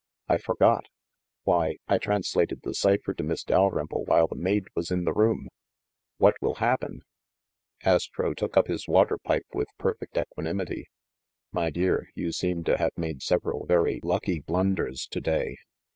"I for got ! Why, I translated the cipher to Miss Dalrymple while the maid was in the room ! What will happen ?" Astro took up his water pipe with perfect equa nimity. "My dear, you seem to have made several very lucky blunders to day."